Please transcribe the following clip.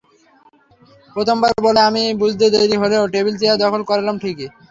প্রথমবার বলে আমাদের বুঝতে দেরি হলেও টেবিল চেয়ার দখল করলাম ঠিকই।